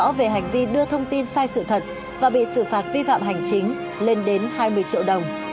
ông cường đã đưa thông tin sai sự thật và bị xử phạt vi phạm hành chính lên đến hai mươi triệu đồng